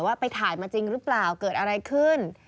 ว่าไปถ่ายมาจริงหรือเปล่าเกิดอะไรขึ้น